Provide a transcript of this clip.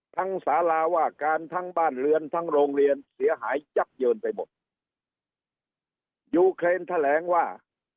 สาราว่าการทั้งบ้านเรือนทั้งโรงเรียนเสียหายยับเยินไปหมดยูเครนแถลงว่า